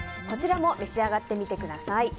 こちらも召し上がってみてください。